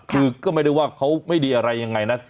คือก็ไม่ได้ว่าเขาไม่ดีอะไรยังไงนะ